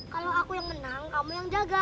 kalau aku yang menang kamu yang jaga